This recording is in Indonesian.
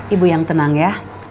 ibu yang tenang ya